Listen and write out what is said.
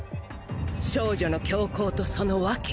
少女の凶行とそのワケ！